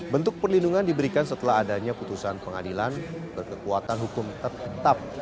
bentuk perlindungan diberikan setelah adanya putusan pengadilan berkekuatan hukum tetap